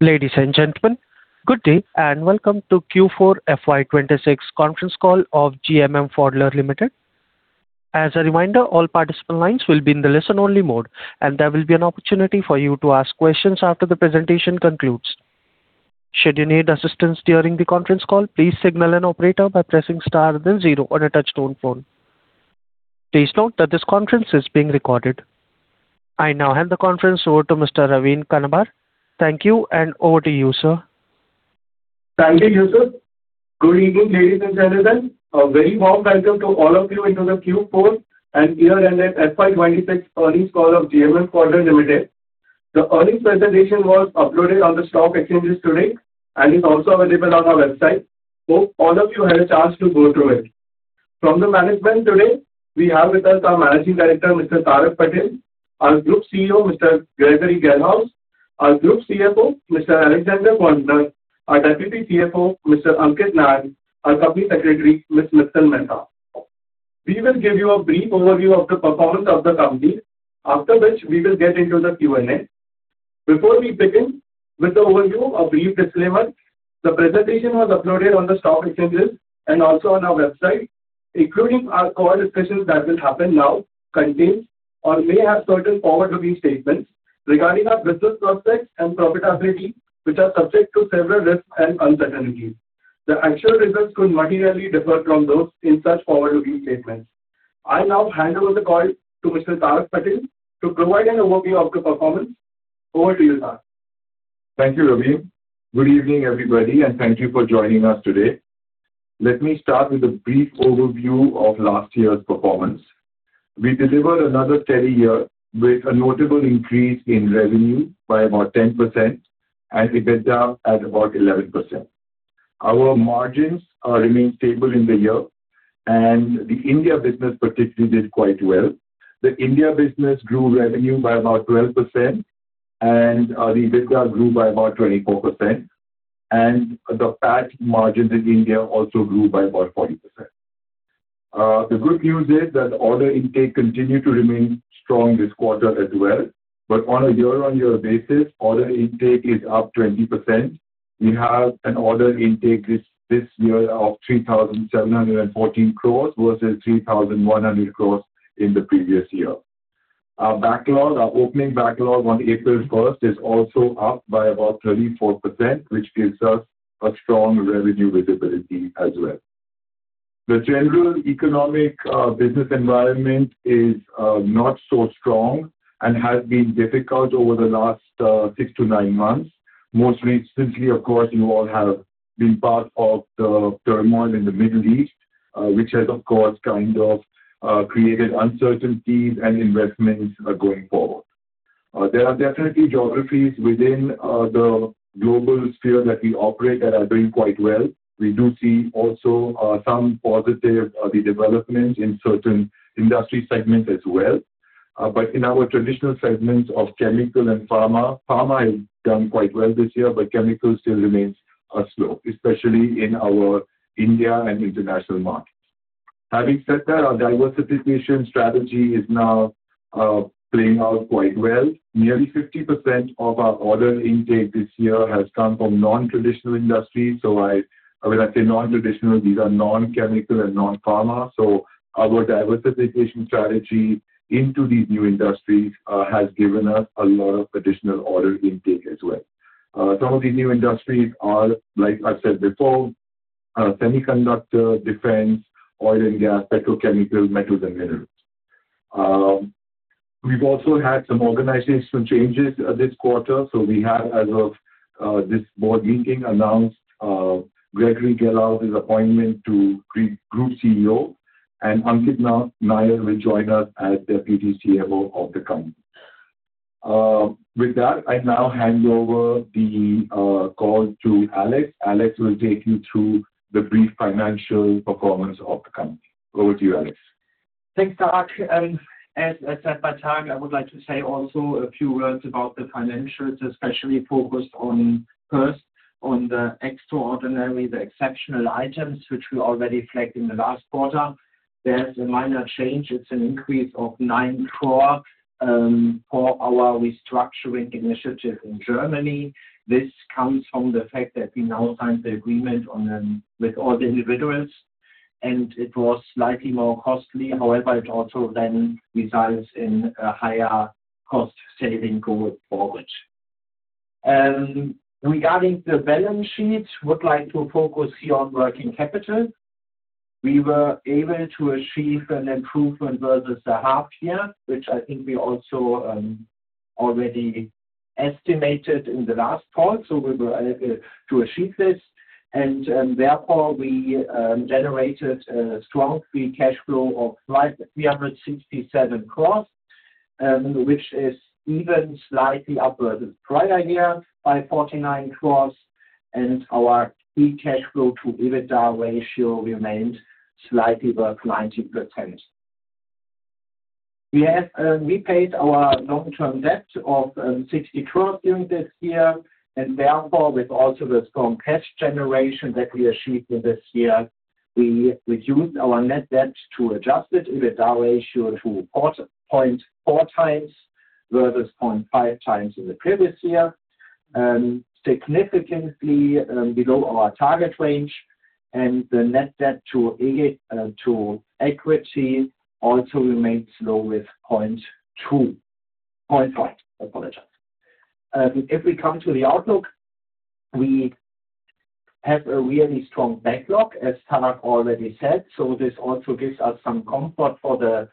Ladies and gentlemen, good day, and welcome to Q4 FY 2026 conference call of GMM Pfaudler Limited. As a reminder, all participant lines will be in the listen only mode, and there will be an opportunity for you to ask questions after the presentation concludes. Should you need assistance during the conference call, please signal an operator by pressing star then zero on a touch-tone phone. Please note that this conference is being recorded. I now hand the conference over to Mr. Raveen Kanabar. Thank you, and over to you, sir. Thank you Yusuf. Good evening, ladies and gentlemen. A very warm welcome to all of you into the Q4 and Year-End FY 2026 Earnings Call of GMM Pfaudler Limited. The earnings presentation was uploaded on the stock exchanges today, and is also available on our website. Hope all of you had a chance to go through it. From the management today, we have with us our Managing Director, Mr. Tarak Patel; our Group CEO, Mr. Gregory Gelhaus; our Group CFO, Mr. Alexander Poempner; our Deputy CFO, Mr. Ankit Nayyar; our Company Secretary, Ms. Mittal Mehta. We will give you a brief overview of the performance of the company, after which we will get into the Q&A. Before we begin with the overview, a brief disclaimer. The presentation was uploaded on the stock exchanges, and also on our website, including our call discussions that will happen now, contains, or may have certain forward-looking statements regarding our business prospects and profitability, which are subject to several risks and uncertainties. The actual results could materially differ from those in such forward-looking statements. I now hand over the call to Mr. Tarak Patel to provide an overview of the performance. Over to you, Tarak. Thank you, Raveen. Good evening, everybody, and thank you for joining us today. Let me start with a brief overview of last year's performance. We delivered another steady year with a notable increase in revenue by about 10%, and EBITDA at about 11%. Our margins remain stable in the year, and the India business particularly did quite well. The India business grew revenue by about 12%, and the EBITDA grew by about 24%, and the PAT margins in India also grew by about 40%. The good news is that order intake continued to remain strong this quarter as well. On a year on year basis, order intake is up 20%. We have an order intake this year of 3,714 crores, versus 3,100 crores in the previous year. Our backlog, our opening backlog on April 1st is also up by about 34%, which gives us a strong revenue visibility as well. The general economic business environment is not so strong, and has been difficult over the last six to nine months. Most recently, of course, you all have been part of the turmoil in the Middle East, which has, of course, kind of created uncertainties in investments going forward. There are definitely geographies within the global sphere that we operate that are doing quite well. We do see also some positive developments in certain industry segments as well. In our traditional segments of chemical and pharma, pharma has done quite well this year, but chemical still remains slow, especially in our India and international markets. Having said that, our diversification strategy is now playing out quite well. Nearly 50% of our order intake this year has come from non-traditional industries. When I say non-traditional, these are non-chemical and non-pharma. Our diversification strategy into these new industries has given us a lot of additional order intake as well. Some of the new industries are, like I said before, semiconductor, defense, oil and gas, petrochemicals, metals and minerals. We've also had some organizational changes this quarter. We have, as of this Board meeting, announced Gregory Gelhaus' appointment to Group CEO, and Ankit Nayyar will join us as Deputy CFO of the company. With that, I now hand over the call to Alex. Alex will take you through the brief financial performance of the company. Over to you, Alex. Thanks, Tarak. As said by Tarak, I would like to say also a few words about the financials, especially focused on first, on the extraordinary, the exceptional items which we already flagged in the last quarter. There's a minor change. It's an increase of 9 crore for our restructuring initiative in Germany. This comes from the fact that we now signed the agreement with all the individuals, and it was slightly more costly. However, it also results in a higher cost saving going forward. Regarding the balance sheet, I would like to focus here on working capital. We were able to achieve an improvement versus the half year, which I think we also already estimated in the last call. We were able to achieve this, and therefore we generated a strong free cash flow of 367 crore, which is even slightly up over the prior year by 49 crore. Our free cash flow to EBITDA ratio remained slightly above 90%. We paid our long-term debt of 60 crore during this year. Therefore, with also the strong cash generation that we achieved in this year, we reduced our net debt to adjusted EBITDA ratio to 0.4x versus 0.5x in the previous year, significantly below our target range. The net debt to equity also remains low with 0.2, 0.5, I apologize. If we come to the outlook, we have a really strong backlog, as Tarak already said. This also gives us some comfort for the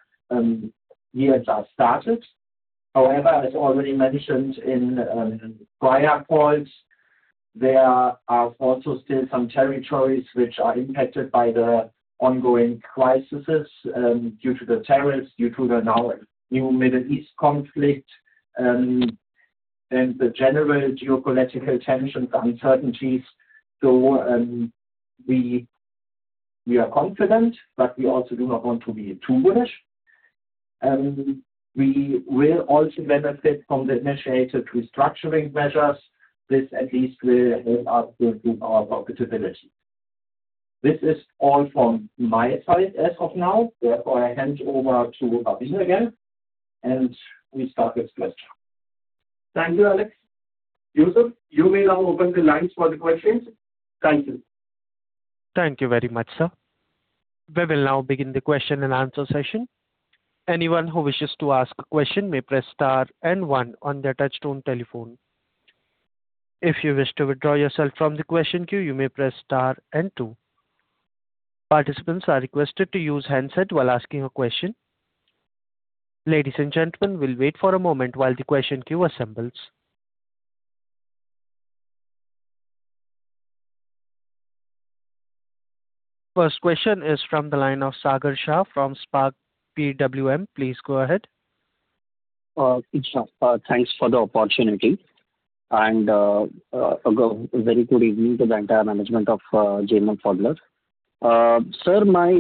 year just started. However, as already mentioned in prior calls, there are also still some territories which are impacted by the ongoing crises due to the tariffs, due to the now new Middle East conflict, and the general geopolitical tensions, uncertainties. We are confident, but we also do not want to be too bullish. We will also benefit from the initiated restructuring measures. This at least will help us improve our profitability. This is all from my side as of now. I hand over to Raveen again, and we start with questions. Thank you, Alex. Yusuf, you may now open the lines for the questions. Thank you. Thank you very much, sir. We will now begin the question and answer session. Anyone who wishes to ask a question may press star and one on their touch-tone telephone. If you wish to withdraw yourself from the question queue, you may press star and two. Participants are requested to use handset while asking a question. Ladies and gentlemen, we will wait for a moment while the question queue assembles. First question is from the line of Sagar Shah from Spark PWM. Please go ahead. Thanks for the opportunity, a very good evening to the entire management of GMM Pfaudler. Sir, my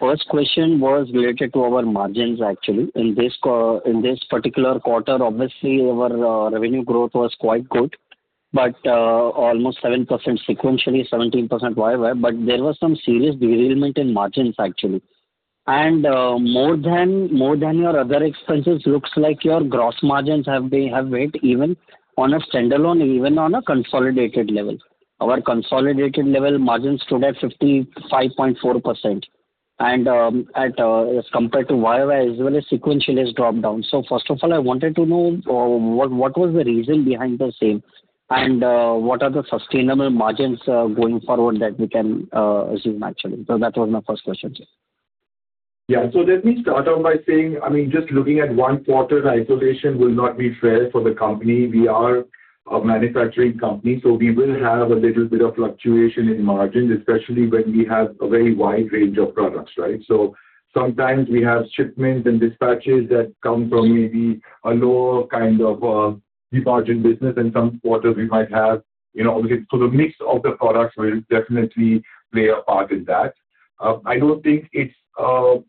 first question was related to our margins, actually. In this particular quarter, obviously, our revenue growth was quite good, almost 17% sequentially, 17% YoY, there was some serious derailment in margins, actually. More than your other expenses, looks like your gross margins have been, have breakeven on a standalone, even on a consolidated level. Our consolidated level margins stood at 55.4%, as compared to YoY as well as sequential, has dropped down. First of all, I wanted to know what was the reason behind the same, and what are the sustainable margins going forward that we can assume, actually? That was my first question, sir. Yeah. Let me start off by saying, just looking at one quarter in isolation will not be fair for the company. We are a manufacturing company, so we will have a little bit of fluctuation in margins, especially when we have a very wide range of products, right? Sometimes we have shipments, and dispatches that come from maybe a lower kind of de-margin business, and some quarters we might have, you know, sort of mix of the products will definitely play a part in that. I don't think it's, you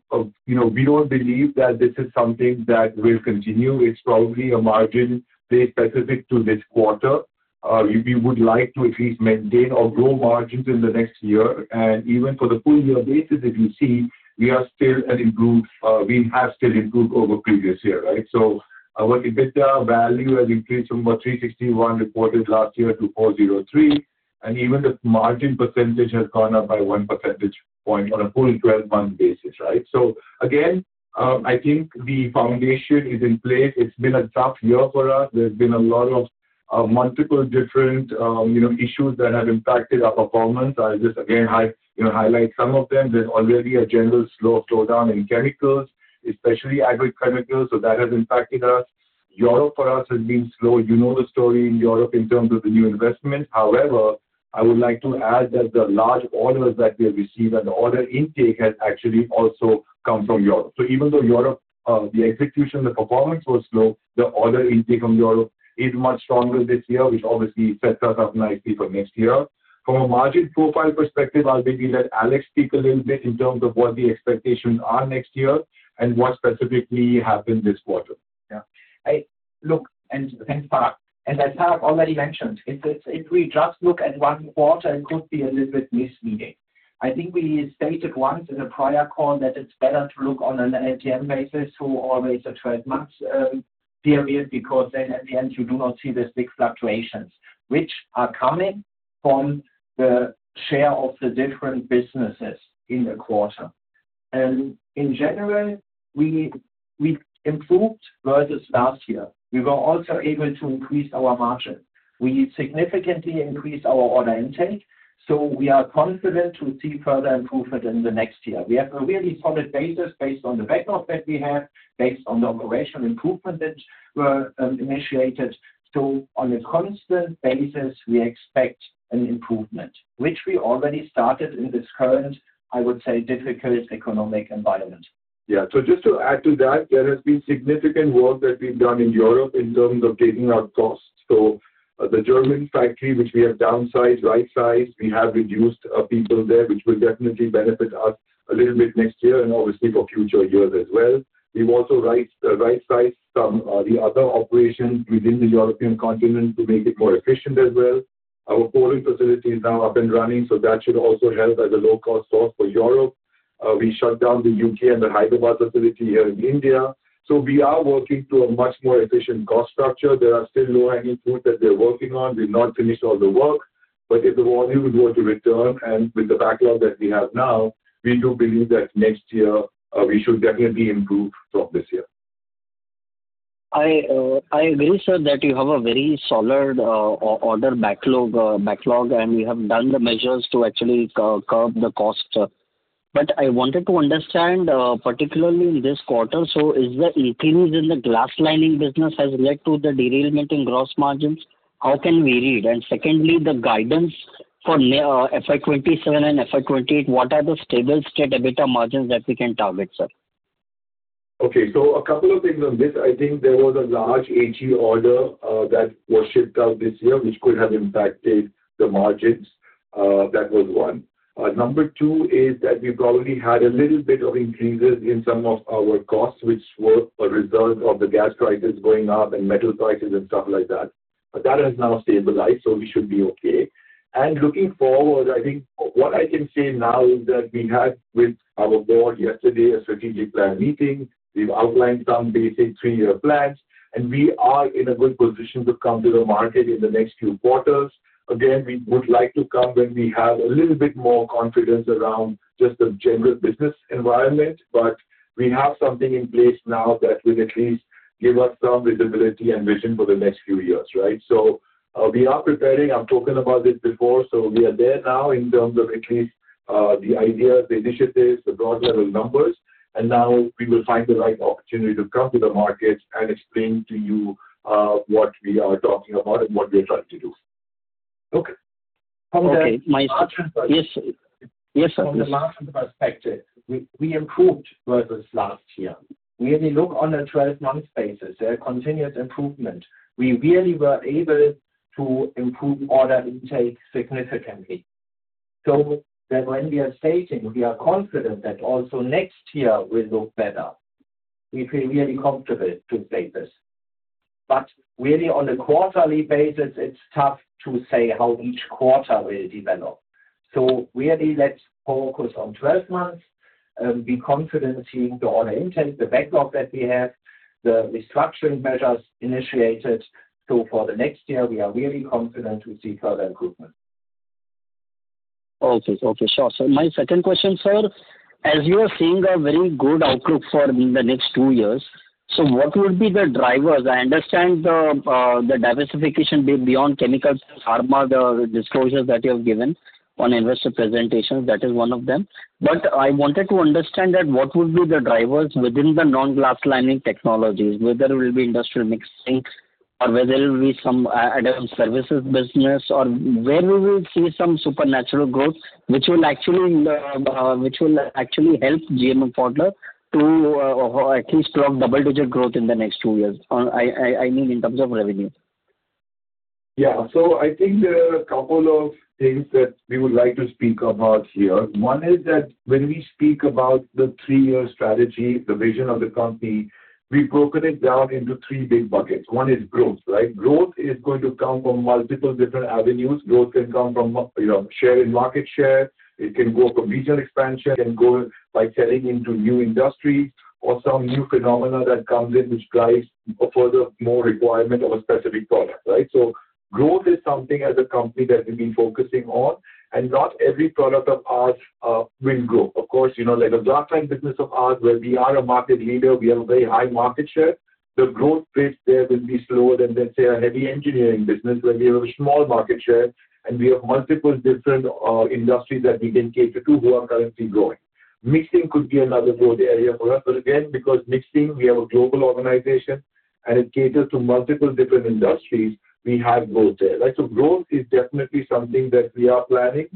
know, we don't believe that this is something that will continue. It's probably a margin specific to this quarter. We would like to at least maintain, or grow margins in the next year. Even for the full year basis, if you see, we are still an improved, we have still improved over previous year, right? Our EBITDA value has increased from 361 reported last year to 403, and even the margin percentage has gone up by 1 percentage point on a full 12-month basis, right? Again, I think the foundation is in place. It's been a tough year for us. There's been a lot of multiple different issues that have impacted our performance. I'll just again highlight some of them. There's already a general slow slowdown in chemicals, especially agrochemicals. That has impacted us. Europe for us has been slow. You know the story in Europe in terms of the new investment. However, I would like to add that the large orders that we have received, and the order intake has actually also come from Europe. Even though Europe, the execution, the performance was slow, the order intake from Europe is much stronger this year, which obviously sets us up nicely for next year. From a margin profile perspective, I'll maybe let Alex speak a little bit in terms of what the expectations are next year, and what specifically happened this quarter. Yeah. Look, Tarak, as Tarak already mentioned, if we just look at one quarter, it could be a little bit misleading. I think we stated once in a prior call that it's better to look on an LTM basis to always a 12 months period, because then at the end you do not see these big fluctuations, which are coming from the share of the different businesses in the quarter. In general, we improved versus last year. We were also able to increase our margin. We significantly increased our order intake, so we are confident to see further improvement in the next year. We have a really solid basis based on the backlog that we have, based on the operational improvement that were initiated. On a constant basis, we expect an improvement, which we already started in this current, I would say, difficult economic environment. Yeah. Just to add to that, there has been significant work that we've done in Europe in terms of getting our costs. The German factory, which we have downsized, right-sized, we have reduced people there, which will definitely benefit us a little bit next year, and obviously for future years as well. We've also right-sized some of the other operations within the European continent to make it more efficient as well. Our Poland facility is now up and running, so that should also help as a low-cost source for Europe. We shut down the U.K. and the Hyderabad facility here in India. We are working to a much more efficient cost structure. There are still low-hanging fruit that we're working on. We've not finished all the work, but if the volume were to return, and with the backlog that we have now, we do believe that next year, we should definitely improve from this year. I agree, sir, that you have a very solid order backlog, and you have done the measures to actually curb the cost. I wanted to understand, particularly in this quarter, so is the increase in the glass lining business has led to the derailment in gross margins? How can we read? Secondly, the guidance for FY 2027 and FY 2028, what are the stable state EBITDA margins that we can target, sir? Okay. A couple of things on this. I think there was a large HE order that was shipped out this year, which could have impacted the margins. That was one. Number two is that we probably had a little bit of increases in some of our costs, which were a result of the gas prices going up, and metal prices, and stuff like that. That has now stabilized, so we should be okay. Looking forward, I think what I can say now is that we had with our Board yesterday a strategic plan meeting. We've outlined some basic three-year plans, and we are in a good position to come to the market in the next few quarters. Again, we would like to come when we have a little bit more confidence around just the general business environment. We have something in place now that will at least give us some visibility, and vision for the next few years, right? We are preparing. I've spoken about this before, so we are there now in terms of at least the ideas, the initiatives, the broad level numbers, and now we will find the right opportunity to come to the market and explain to you what we are talking about, and what we are trying to do. Okay. From the margin perspective. Yes. Yes, sir, please. From the margin perspective, we improved versus last year. When you look on a 12 months basis, there are continuous improvement. We really were able to improve order intake significantly. When we are stating we are confident that also next year will look better, we feel really comfortable to say this. Really on a quarterly basis, it's tough to say how each quarter will develop. Really, let's focus on 12 months, and be confident seeing the order intake, the backlog that we have, the restructuring measures initiated. For the next year, we are really confident to see further improvement. Okay. Sure. My second question, sir. As you are seeing a very good outlook for the next two years, so what would be the drivers? I understand the diversification beyond chemicals, pharma, the disclosures that you have given on investor presentations, that is one of them. I wanted to understand that what would be the drivers within the non-glass lining technologies, whether it will be industrial mixing, or whether it will be some add-on services business, or where we will see some supernatural growth which will actually help GMM Pfaudler to at least from double-digit growth in the next two years, I mean, in terms of revenue. I think there are a couple of things that we would like to speak about here. One is that when we speak about the three-year strategy, the vision of the company, we've broken it down into three big buckets. One is growth, right? Growth is going to come from multiple different avenues. Growth can come from sharing market share, it can grow from regional expansion, it can grow by selling into new industries, or some new phenomena that comes in which drives a further more requirement of a specific product, right? Growth is something as a company that we've been focusing on, and not every product of ours will grow. Of course, like the glass lining business of ours, where we are a market leader, we have a very high market share. The growth rates there will be slower than, let's say, a heavy engineering business where we have a small market share, and we have multiple different industries that we can cater to who are currently growing. Mixing could be another growth area for us. Then again because mixing, we have a global organization, and it caters to multiple different industries, we have growth there, right? Growth is definitely something that we are planning.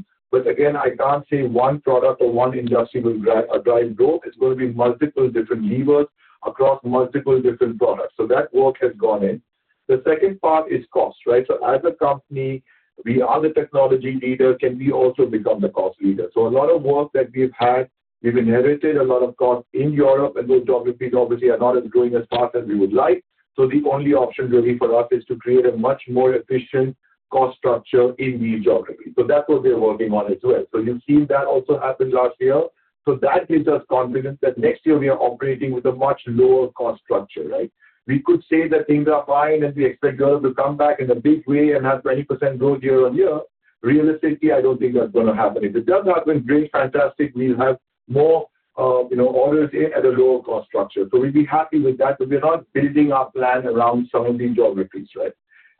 Again I can't say one product, or one industry will drive growth. It's going to be multiple different levers across multiple different products. That work has gone in. The second part is cost, right? As a company, we are the technology leader. Can we also become the cost leader? A lot of work that we've had, we've inherited a lot of costs in Europe, and those geographies obviously are not as growing as fast as we would like. The only option really for us is to create a much more efficient cost structure in these geographies. That's what we are working on as well. You've seen that also happen last year. That gives us confidence that next year we are operating with a much lower cost structure, right? We could say that things are fine, and we expect growth to come back in a big way, and have 20% growth year on year. Realistically, I don't think that's going to happen. If it does happen, great, fantastic. We'll have more orders in at a lower cost structure. We'll be happy with that. We're not building our plan around some of these geographies, right?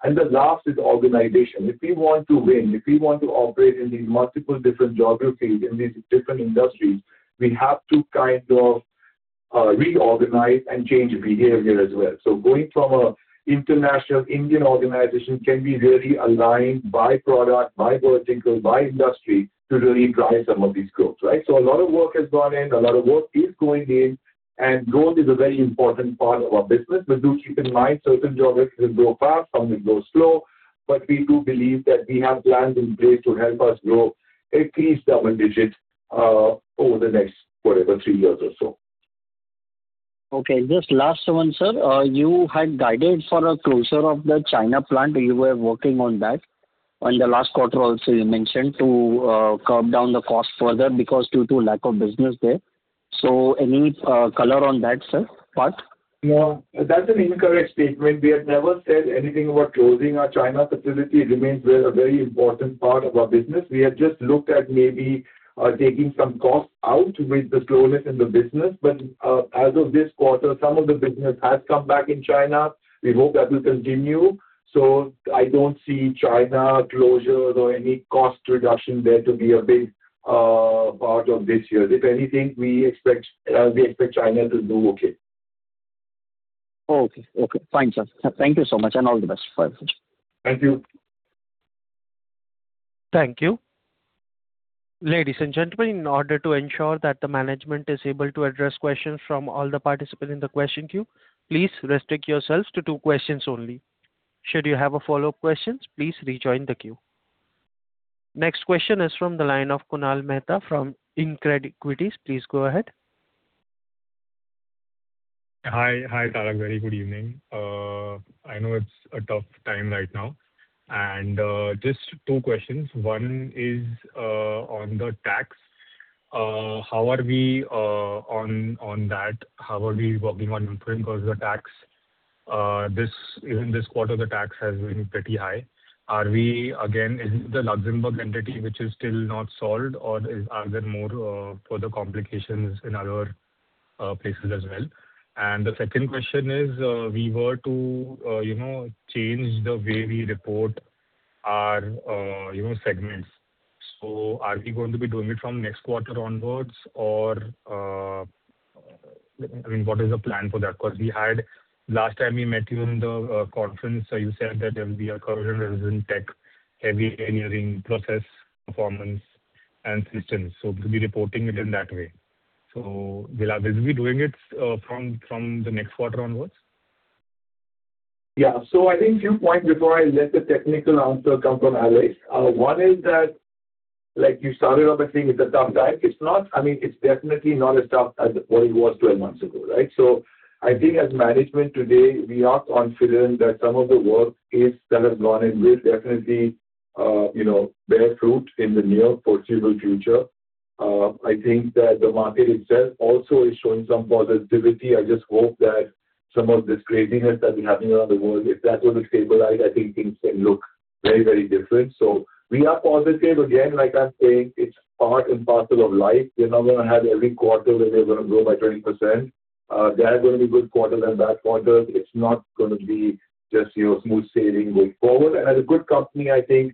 The last is organization. If we want to win, if we want to operate in these multiple different geographies, in these different industries, we have to kind of reorganize, and change behavior as well. Going from an international Indian organization, can we really align by product, by vertical, by industry to really drive some of these growth, right? A lot of work has gone in, a lot of work is going in, and growth is a very important part of our business. Do keep in mind, certain geographies will grow fast, some will grow slow. We do believe that we have plans in place to help us grow at least double digits over the next, whatever, three years or so. Okay. Just last one, sir. You had guided for a closure of the China plant. You were working on that. In the last quarter also, you mentioned to curb down the cost further because due to lack of business there. Any color on that, sir, part? No, that's an incorrect statement. We have never said anything about closing our China facility. It remains a very important part of our business. We have just looked at maybe taking some costs out with the slowness in the business. As of this quarter, some of the business has come back in China. We hope that will continue. I don't see China closure, or any cost reduction there to be a big part of this year. If anything, we expect China to do okay. Okay. Fine, sir. Thank you so much, and all the best. Thank you. Thank you. Ladies and gentlemen, in order to ensure that the management is able to address questions from all the participants in the question queue, please restrict yourselves to two questions only. Should you have follow-up questions, please rejoin the queue. Next question is from the line of Kunal Mehta from InCred Equities. Please go ahead. Hi, Tarak. Very good evening. I know it's a tough time right now. Just two questions. One is on the tax. How are we on that? How are we working on improving the tax? Even in this quarter, the tax has been pretty high. Are we again, is it the Luxembourg entity which is still not solved, or are there more further complications in other places as well? The second question is, we were to change the way we report our segments. Are we going to be doing it from next quarter onwards, or what is the plan for that? Last time we met you in the conference, you said that there will be a coverage within tech, heavy engineering process performance and systems, we'll be reporting it in that way. Will we be doing it from the next quarter onwards? Yeah. I think few points before I let the technical answer come from Alex. One is that, like you started off by saying it's a tough time. It's not, I mean it's definitely not as tough as what it was 12 months ago, right? I think as management today, we are confident that some of the worst case that has gone in will definitely bear fruit in the near foreseeable future. I think that the market itself also is showing some positivity. I just hope that some of this craziness that's been happening around the world, if that were to stabilize, I think things can look very, very different. We are positive. Again, like I'm saying, it's part, and parcel of life. We're not going to have every quarter where we're going to grow by 20%. There are going to be good quarters, and bad quarters. It's not going to be just smooth sailing going forward. As a good company, I think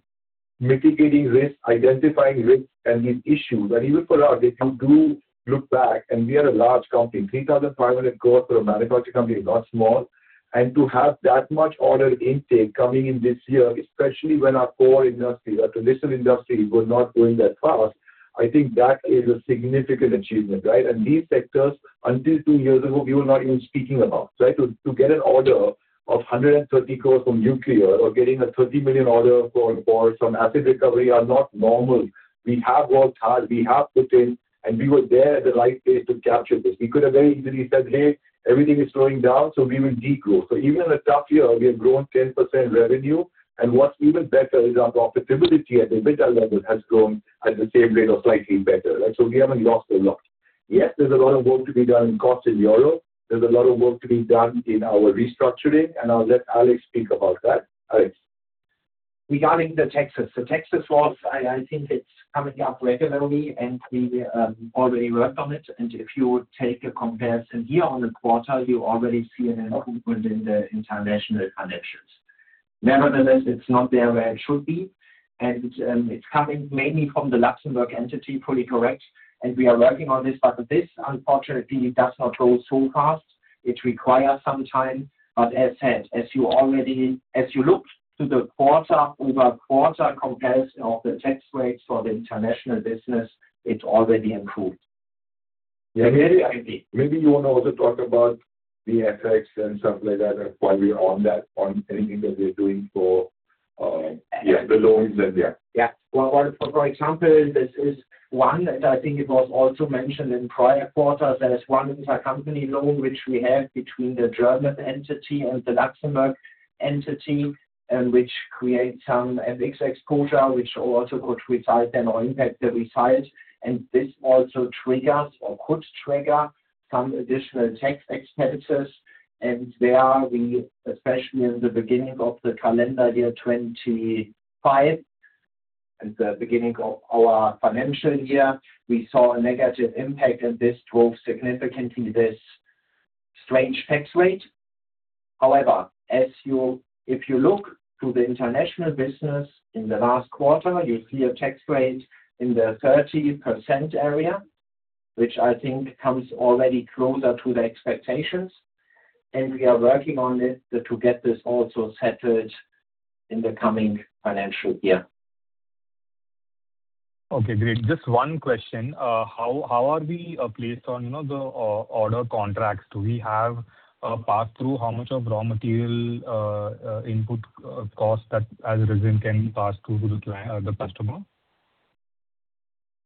mitigating risks, identifying risks, and these issues, and even for us, if you do look back, and we are a large company, 3,500 crore for a manufacturing company is not small. To have that much order intake coming in this year, especially when our core industry, our traditional industry, was not growing that fast, I think that is a significant achievement, right? These sectors, until two years ago, we were not even speaking about, right? To get an order of 130 crore from nuclear, or getting a $20 million order for some asset recovery are not normal. We have worked hard, we have put in, and we were there at the right place to capture this. We could have very easily said, "Hey, everything is going down, so we will degrow." Even in a tough year, we have grown 10% revenue, and what's even better is our profitability at EBITDA level has grown at the same rate or slightly better. We haven't lost a lot. Yes, there's a lot of work to be done in cost in Europe. There's a lot of work to be done in our restructuring, and I'll let Alex speak about that. Alex. Regarding the taxes. The taxes was, I think it's coming up regularly, and we already worked on it. If you take a comparison here on the quarter, you already see an improvement in the international connections. Nevertheless, it's not there where it should be, and it's coming mainly from the Luxembourg entity, fully correct, and we are working on this. This, unfortunately, does not go so fast. It requires some time. As said, as you look to the quarter-over-quarter comparison of the tax rates for the international business, it's already improved. Maybe you want to also talk about the effects, and stuff like that while we're on that, on anything that we're doing for the loans and yeah. Yeah. For example, this is one that I think it was also mentioned in prior quarters. There is one intercompany loan which we have between the German entity, and the Luxembourg entity, which creates some FX exposure, which also could result in, or impact the result. This also triggers, or could trigger some additional tax expenses. There we, especially in the beginning of the calendar year 2025, at the beginning of our financial year, we saw a negative impact, and this drove significantly this strange tax rate. However, if you look to the international business in the last quarter, you see a tax rate in the 30% area, which I think comes already closer to the expectations. We are working on it to get this also settled in the coming financial year. Okay, great. Just one question. How are we placed on the order contracts? Do we have a pass through how much of raw material input cost that as a result can be passed through to the customer?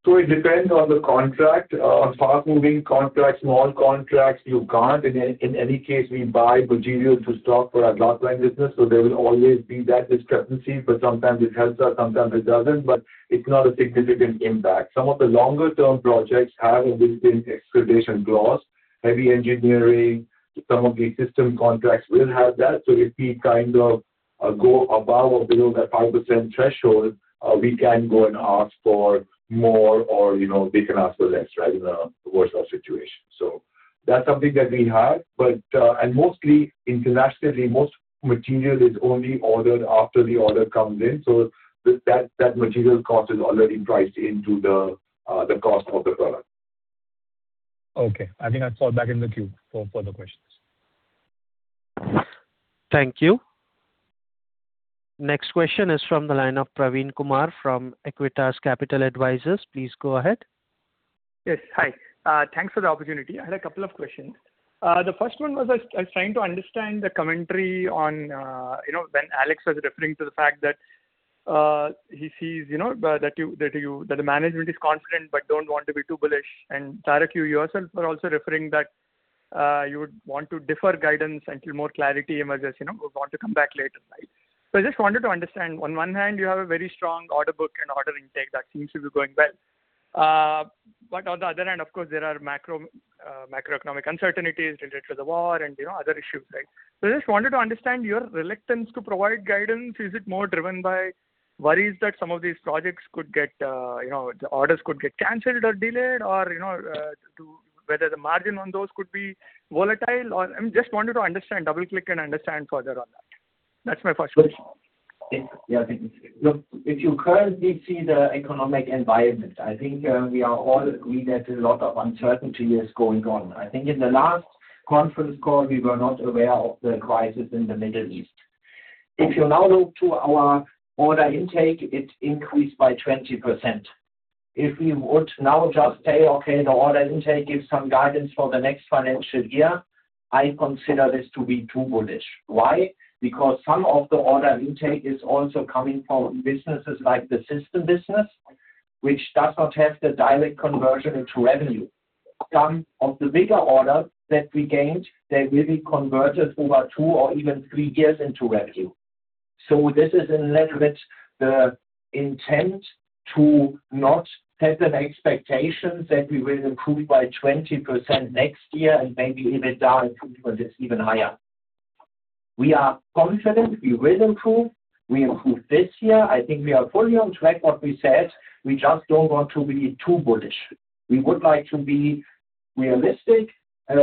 It depends on the contract. On fast-moving contracts, small contracts, you can't. In any case, we buy materials to stock for our pipeline business, there will always be that discrepancy. Sometimes it helps us, sometimes it doesn't. It's not a significant impact. Some of the longer-term projects have existing provision clause. Heavy engineering. Some of the system contracts will have that. If we kind of go above, or below that 5% threshold, we can go, and ask for more, or you know they can ask for less in a worse situation. That's something that we have. Mostly internationally, most material is only ordered after the order comes in. That material cost is already priced into the cost of the product. Okay. I think I'll fall back in the queue for further questions. Thank you. Next question is from the line of Praveen Kumar from ACUITAS CAPITAL ADVISORS. Please go ahead. Yes. Hi. Thanks for the opportunity. I had a couple of questions. The first one was, I was trying to understand the commentary on when Alex was referring to the fact that he sees that the management is confident but don't want to be too bullish. Tarak, you yourself were also referring that you would want to defer guidance until more clarity emerges, would want to come back later. I just wanted to understand, on one hand, you have a very strong order book, and order intake that seems to be going well. On the other hand, of course, there are macroeconomic uncertainties related to the war, and other issues. I just wanted to understand your reluctance to provide guidance. Is it more driven by worries that some of these projects could get, the orders could get canceled, or delayed? Whether the margin on those could be volatile, or I just wanted to understand, double-check, and understand further on that. That's my first question. Yeah, thank you. If you currently see the economic environment, I think we all agree that a lot of uncertainty is going on. I think in the last conference call, we were not aware of the crisis in the Middle East. If you now look to our order intake, it increased by 20%. If we would now just say, "Okay, the order intake gives some guidance for the next financial year," I consider this to be too bullish. Why? Some of the order intake is also coming from businesses like the system business, which does not have the direct conversion into revenue. Some of the bigger orders that we gained, they will be converted over two, or even three years into revenue. This is a little bit the intent to not set an expectation that we will improve by 20% next year, and maybe even dial 20% even higher. We are confident we will improve. We improved this year. I think we are fully on track what we said. We just don't want to be too bullish. We would like to be realistic. As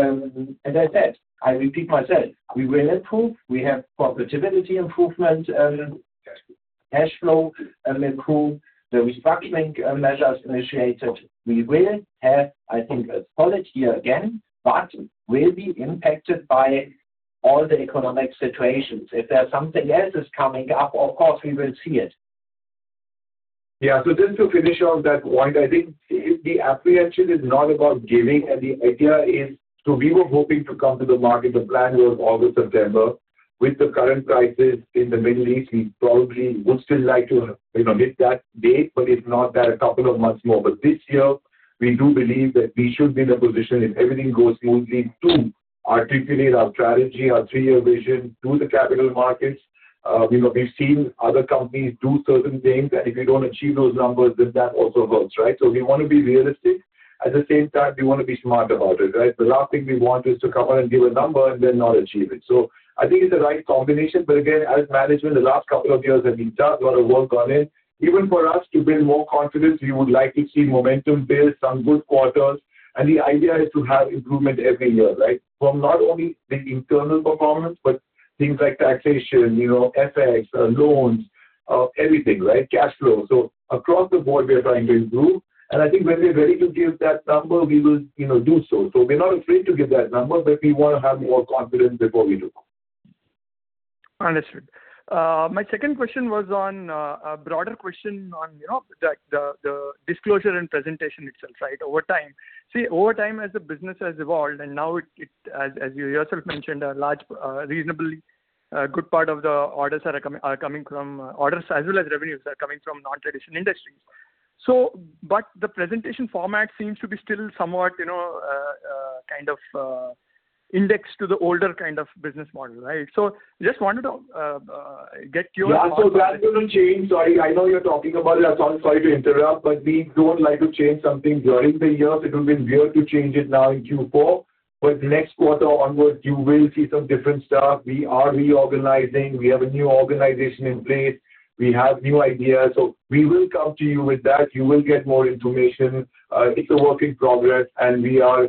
I said, I repeat myself, we will improve. We have profitability improvement, cash flow will improve, the restructuring measures initiated. We will have, I think, a solid year again, but will be impacted by all the economic situations. If there's something else is coming up, of course we will see it. Yeah. Just to finish off that point, I think the apprehension is not about giving, and the idea is, so we were hoping to come to the market. The plan was August, September. With the current crisis in the Middle East, we probably would still like to hit that date, but if not that, a couple of months more. This year, we do believe that we should be in a position, if everything goes smoothly, to articulate our strategy, our three-year vision to the capital markets. We've seen other companies do certain things, and if you don't achieve those numbers, then that also hurts, right? We want to be realistic. At the same time, we want to be smart about it, right? The last thing we want is to come out, and give a number and then not achieve it. I think it's the right combination. Again, as management, the last couple of years have been tough. Got to work on it. Even for us to build more confidence, we would like to see momentum build some good quarters, and the idea is to have improvement every year, right? From not only the internal performance, but things like taxation, you know, FX, loans, everything, right? Cash flow. Across the board, we are trying to improve. I think when we're ready to give that number, we will do so. We're not afraid to give that number, but we want to have more confidence before we do. Understood. My second question was on a broader question on the disclosure, and presentation itself over time. Over time, as the business has evolved, and now as you yourself mentioned, a reasonably good part of the orders are coming from orders as well as revenues are coming from non-traditional industries. The presentation format seems to be still somewhat kind of indexed to the older kind of business model, right? Just wanted to get your- Yeah. That will change. Sorry, I know you're talking about it. I'm sorry to interrupt, we don't like to change something during the year. It will be weird to change it now in Q4. Next quarter onwards, you will see some different stuff. We are reorganizing. We have a new organization in place. We have new ideas. We will come to you with that. You will get more information. It's a work in progress. We are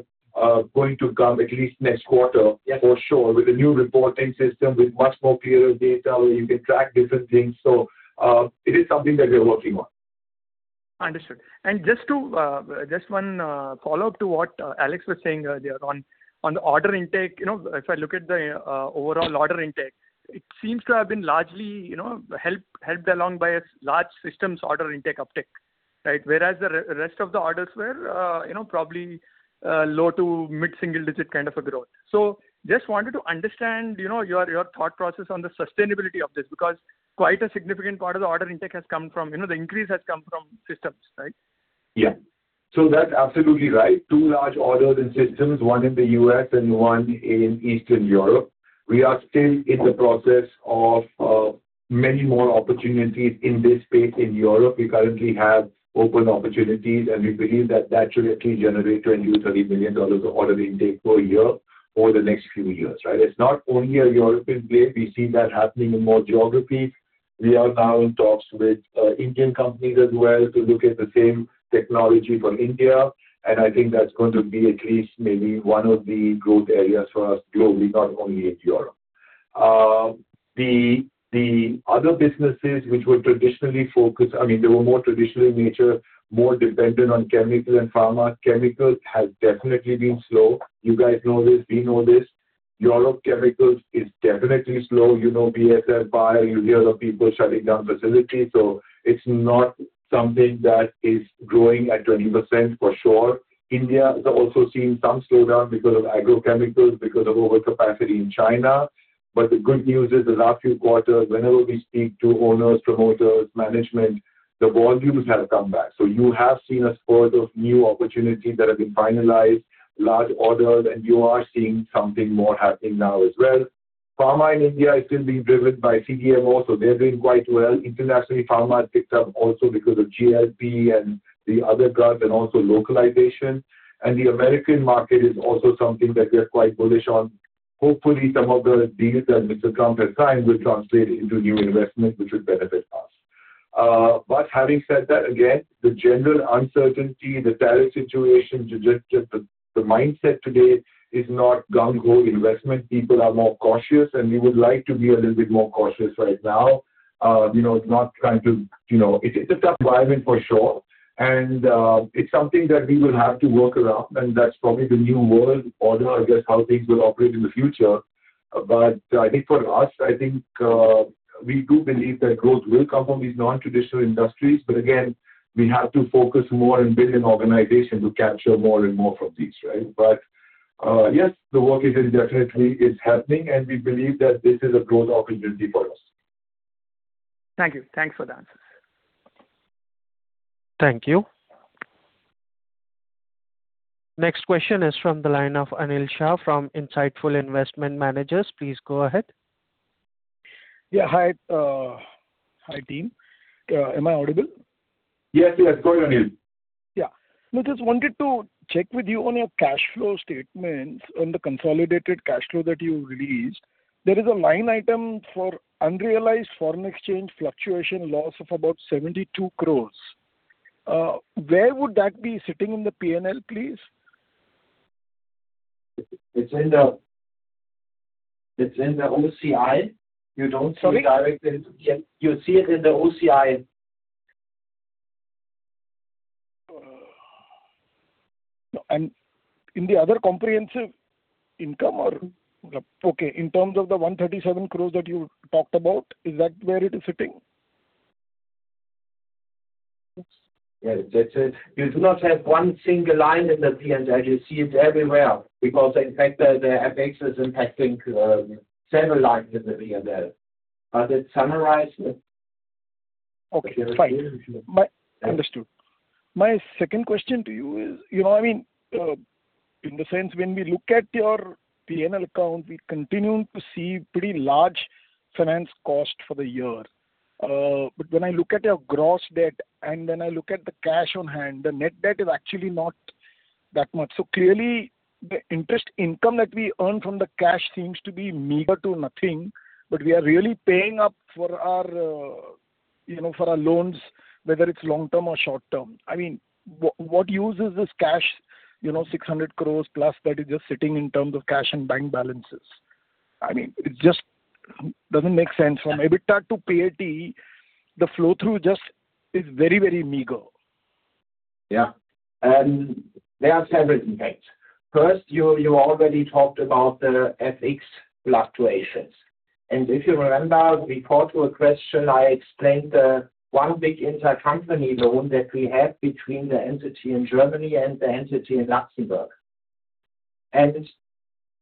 going to come at least next quarter. Yeah. For sure with a new reporting system with much more clearer data where you can track different things. It is something that we are working on. Understood. Just one follow-up to what Alex was saying earlier on the order intake. If I look at the overall order intake, it seems to have been largely helped along by a large systems order intake uptick. Whereas the rest of the orders were probably low to mid-single-digit kind of a growth. Just wanted to understand your thought process on the sustainability of this, because quite a significant part of the order intake has come from, the increase has come from systems, right? That's absolutely right. Two large orders and systems, one in the U.S. and one in Eastern Europe. We are still in the process of many more opportunities in this space in Europe. We currently have open opportunities, and we believe that that should at least generate $20 million or $30 million of order intake per year for the next few years. It's not only a European play. We see that happening in more geographies. We are now in talks with Indian companies as well to look at the same technology for India. I think that's going to be at least maybe one of the growth areas for us globally, not only in Europe. The other businesses, which were traditionally focused, I mean they were more traditional in nature, more dependent on chemicals and pharma, chemicals has definitely been slow. You guys know this. We know this. Europe chemicals is definitely slow. You know BASF, Bayer. You hear of people shutting down facilities. It's not something that is growing at 20%, for sure. India has also seen some slowdown because of agrochemicals, because of overcapacity in China. The good news is the last few quarters, whenever we speak to owners, promoters, management, the volumes have come back. You have seen a spurt of new opportunities that have been finalized, large orders, and you are seeing something more happening now as well. Pharma in India is still being driven by CDMO, so they're doing quite well. Internationally, pharma has picked up also because of GLP, and the other drugs, and also localization. The American market is also something that we're quite bullish on. Hopefully, some of the deals that Mr. Trump has signed will translate into new investment, which would benefit us. Having said that, again, the general uncertainty, the tariff situation, just the mindset today is not gung-ho investment. People are more cautious, and we would like to be a little bit more cautious right now. You know, not trying to, it's a tough environment for sure. It's something that we will have to work around, and that's probably the new world order, I guess, how things will operate in the future. I think for us, I think we do believe that growth will come from these non-traditional industries. Again, we have to focus more and build an organization to capture more, and more from these. Yes, the work is definitely is happening, and we believe that this is a growth opportunity for us. Thank you. Thanks for the answers. Thank you. Next question is from the line of Anil Shah from Insightful Investment Managers. Please go ahead. Yeah, hi team. Am I audible? Yes. Go ahead, Anil. Yeah. I just wanted to check with you on your cash flow statements, on the consolidated cash flow that you released. There is a line item for unrealized foreign exchange fluctuation loss of about 72 crores. Where would that be sitting in the P&L, please? It's in the OCI. Sorry? You see it in the OCI. In the other comprehensive income, or, okay, in terms of the 137 crores that you talked about, is that where it is sitting? Yes. You do not have one single line in the P&L. You see it everywhere because, in fact, the FX is impacting several lines in the P&L. Are they summarized? Okay, fine. Understood. My second question to you is, you know, I mean in the sense when we look at your P&L account, we continue to see pretty large finance cost for the year. When I look at your gross debt, and when I look at the cash on hand, the net debt is actually not that much. Clearly, the interest income that we earn from the cash seems to be meager to nothing. We are really paying up for our loans, whether it's long-term, or short-term. I mean, what uses this cash, 600+ crores that is just sitting in terms of cash and bank balances? It just doesn't make sense. From EBITDA to PAT, the flow-through just is very meager. Yeah. There are several impacts. First, you already talked about the FX fluctuations. If you remember, before to a question I explained one big intercompany loan that we have between the entity in Germany, and the entity in Luxembourg.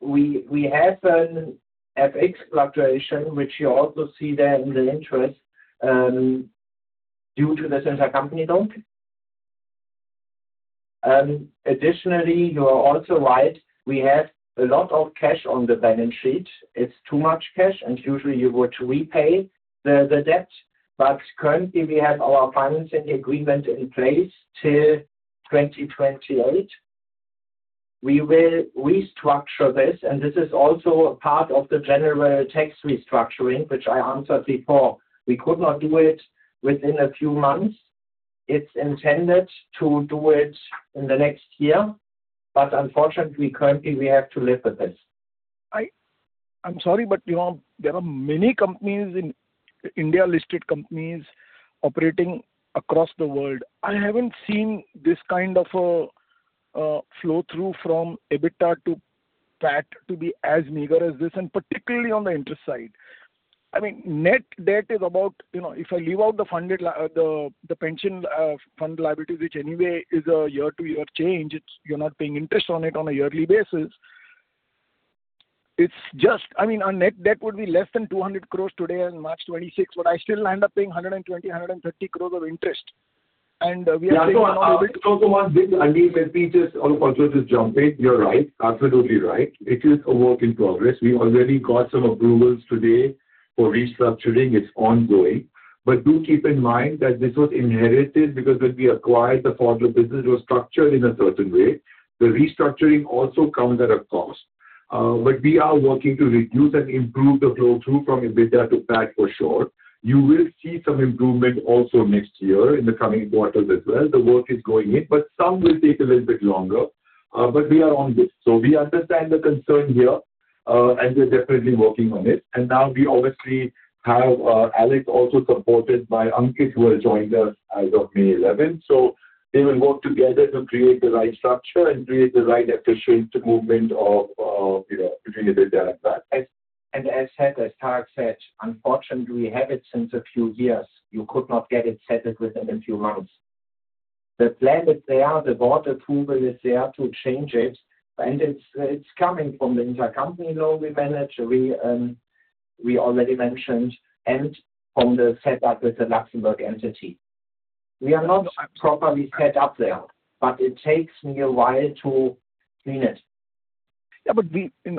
We have an FX fluctuation, which you also see there in the interest, due to this intercompany loan. Additionally, you are also right, we have a lot of cash on the balance sheet. It's too much cash, and usually you would repay the debt. Currently, we have our financing agreement in place till 2028. We will restructure this, and this is also a part of the general tax restructuring, which I answered before. We could not do it within a few months. It's intended to do it in the next year. Unfortunately, currently, we have to live with this. I'm sorry, but there are many companies in India, listed companies operating across the world. I haven't seen this kind of a flow-through from EBITDA to PAT to be as meager as this, and particularly on the interest side. Net debt is about, if I leave out the pension fund liability, which anyway is a year to year change, you're not paying interest on it on a yearly basis. It's just, our net debt would be less than 200 crores today on March 26, but I still end up paying 120 crores, 130 crores of interest. Yeah. Also on this, Anil, let me just also just jump in. You're right, absolutely right. It is a work in progress. We already got some approvals today for restructuring. It's ongoing. Do keep in mind that this was inherited because when we acquired the Pfaudler business, it was structured in a certain way. The restructuring also comes at a cost. We are working to reduce, and improve the flow through from EBITDA to PAT for sure. You will see some improvement also next year in the coming quarters as well. The work is going in, but some will take a little bit longer. We are on this. We understand the concern here, and we're definitely working on it. Now we obviously have Alex also supported by Ankit, who has joined us as of May 11. They will work together to create the right structure, and create the right efficient movement between EBITDA and PAT. As Tarak said, unfortunately, we have it since a few years. You could not get it settled within a few months. The plan is there, the Board approval is there to change it, and it's coming from the intercompany loan we manage, we already mentioned, and from the setup with the Luxembourg entity. We are not properly set up there, but it takes me a while to clean it. Yeah,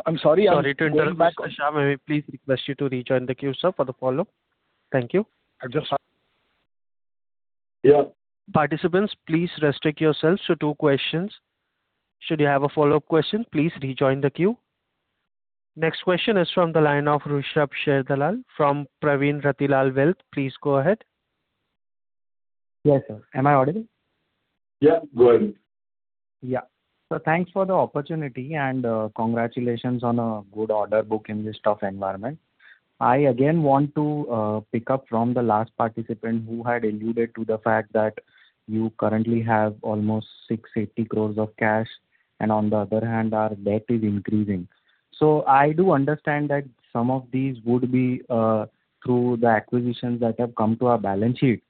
I'm sorry. Sorry to interrupt, Anil Shah, may we please request you to rejoin the queue, sir, for the follow-up. Thank you. I just- Yeah. Participants, please restrict yourselves to two questions. Should you have a follow-up question, please rejoin the queue. Next question is from the line of Rushabh Sharedalal from Pravin Ratilal Wealth. Please go ahead. Yes, sir. Am I audible? Yeah, go ahead. Yeah. Thanks for the opportunity, and congratulations on a good order book in this tough environment. I again want to pick up from the last participant who had alluded to the fact that you currently have almost 680 crore of cash, and on the other hand, our debt is increasing. I do understand that some of these would be through the acquisitions that have come to our balance sheet.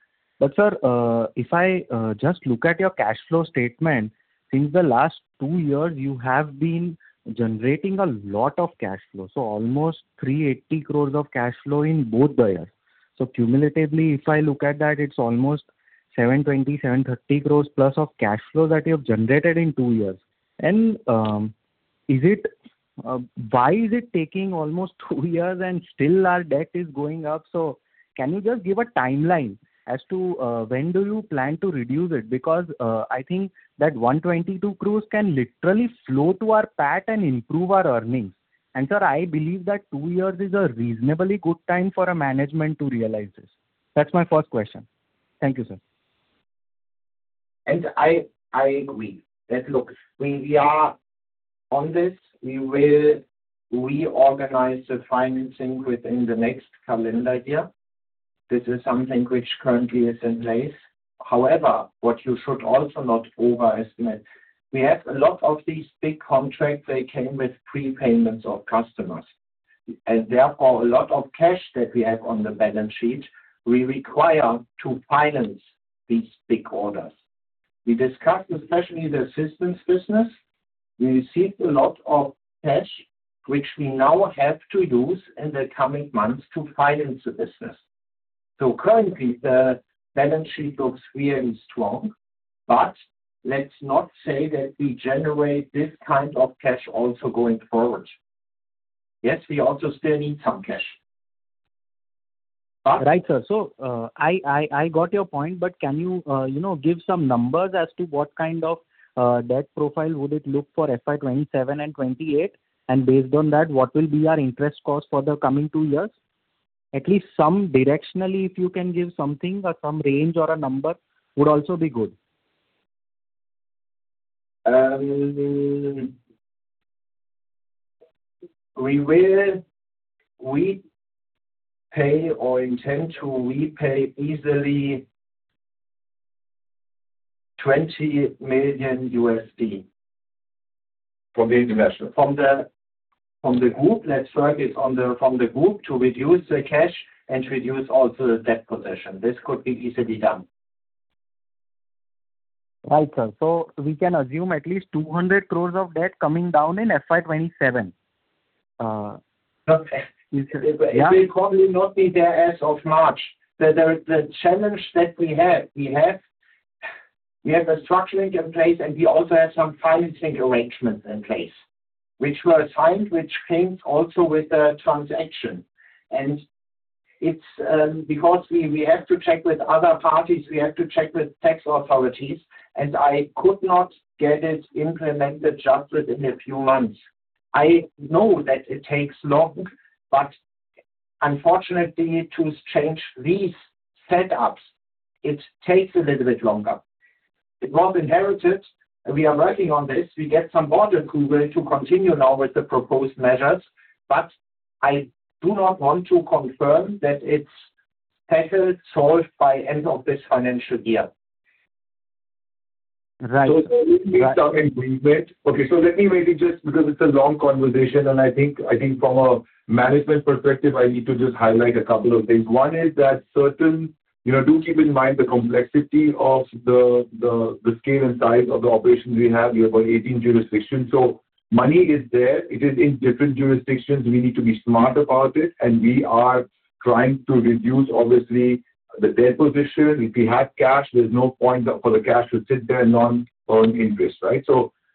Sir, if I just look at your cash flow statement, since the last two years, you have been generating a lot of cash flow, so almost 380 crore of cash flow in both the years. Cumulatively, if I look at that, it's almost 720 crore, 730+ crore of cash flow that you have generated in two years. Why is it taking almost two years, and still our debt is going up? Can you just give a timeline as to when do you plan to reduce it? I think that 122 crores can literally flow to our PAT, and improve our earnings. Sir, I believe that two years is a reasonably good time for a management to realize this. That's my first question. Thank you, sir. I agree. Look, on this, we will reorganize the financing within the next calendar year. This is something which currently is in place. However, what you should also not overestimate, we have a lot of these big contracts, they came with prepayments of customers. Therefore, a lot of cash that we have on the balance sheet, we require to finance these big orders. We discussed especially the systems business. We received a lot of cash, which we now have to use in the coming months to finance the business. Currently, the balance sheet looks really strong, but let's not say that we generate this kind of cash also going forward. Yes, we also still need some cash. Right, sir. I got your point, but can you give some numbers as to what kind of debt profile would it look for FY 2027 and 2028? Based on that, what will be our interest cost for the coming two years? At least some directionally, if you can give something, or some range, or a number would also be good. We will, we pay or intend to repay easily $20 million. From the international. From the group, net service from the group to reduce the cash, and reduce also the debt position. This could be easily done. Right, sir. We can assume at least 200 crores of debt coming down in FY 2027? Look, it will probably not be there as of March. The challenge that we have, we have a structuring in place, and we also have some financing arrangements in place, which were signed, which came also with the transaction. It's because we have to check with other parties, we have to check with tax authorities, and I could not get it implemented just within a few months. I know that it takes long, but unfortunately, to change these setups, it takes a little bit longer. It was inherited, and we are working on this. We get some Board approval to continue now with the proposed measures, but I do not want to confirm that it's settled, solved by end of this financial year. Right. We need some agreement. Okay, let me maybe just because it's a long conversation, and I think from a management perspective, I need to just highlight a couple of things. One is that certain, do keep in mind the complexity of the scale, and size of the operations we have. We have about 18 jurisdictions. Money is there. It is in different jurisdictions. We need to be smart about it, and we are trying to reduce, obviously, the debt position. If we have cash, there's no point for the cash to sit there, and non-earn interest, right?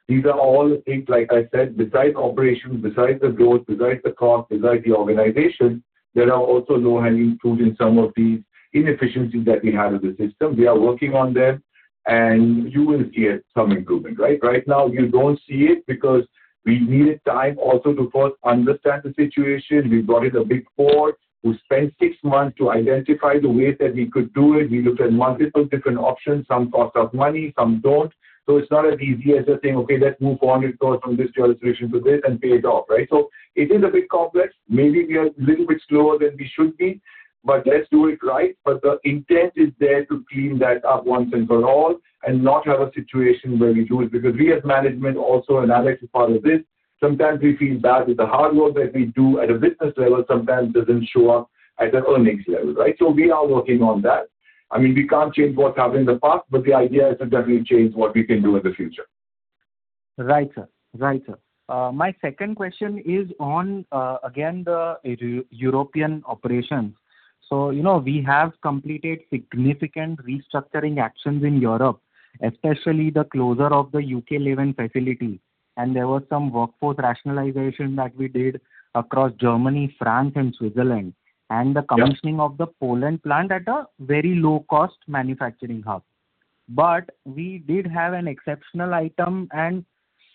These are all things, like I said, besides operations, besides the growth, besides the cost, besides the organization, there are also low-hanging fruit in some of these inefficiencies that we have in the system. We are working on them, and you will see some improvement, right? Right now, you don't see it because we needed time also to first understand the situation. We brought in the Big Four, who spent six months to identify the way that we could do it. We looked at multiple different options. Some cost us money, some don't. It's not as easy as just saying, "Okay, let's move on. Let's go from this jurisdiction to this, and pay it off," right? It is a bit complex. Maybe we are a little bit slower than we should be, but let's do it right. The intent is there to clean that up once and for all, and not have a situation where we do it. We, as management also, and Alex is part of this, sometimes we feel bad with the hard work that we do at a business level sometimes doesn't show up at an earnings level, right? We are working on that. We can't change what's happened in the past, but the idea is to definitely change what we can do in the future. Right, sir. My second question is on, again, the European operations. We have completed significant restructuring actions in Europe, especially the closure of the U.K. Leven facility, and there was some workforce rationalization that we did across Germany, France, and Switzerland. Yeah. And the commissioning of the Poland plant at a very low cost manufacturing hub. We did have an exceptional item, and